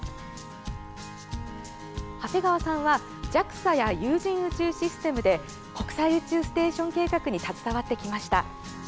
長谷川さんはＪＡＸＡや有人宇宙システムで国際宇宙ステーション計画に携わってきました。